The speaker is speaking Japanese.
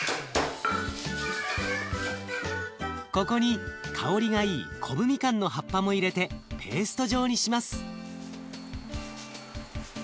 ここに香りがいいコブミカンの葉っぱも入れてペースト状にします。